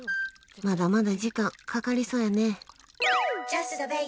まだまだ時間かかりそうやね。